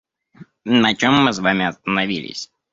На чем мы с вами остановились?